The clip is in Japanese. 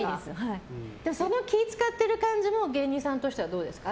その気を使ってる感じも芸人さんとしてはどうですか？